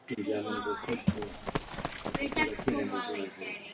Seriál byl zrušený po první řadě.